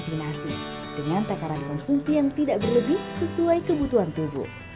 jadi kita harus mengganti nasi dengan takaran konsumsi yang tidak berlebih sesuai kebutuhan tubuh